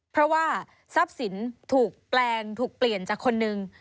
เพราะว่าทรัพย์สินถูกแปลงถูกเปลี่ยนจากคนหนึ่ง